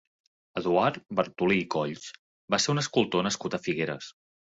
Eduard Bartolí i Colls va ser un escultor nascut a Figueres.